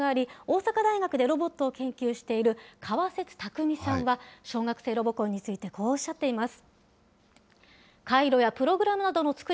高専ロボコンに参加したこと経験があり、大阪大学でロボットを研究している川節たくみさんは、小学生ロボコンについてこうおっしゃっています。